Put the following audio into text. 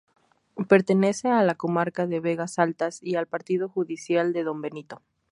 Pertenece a la comarca de Vegas Altas y al Partido judicial de Don Benito.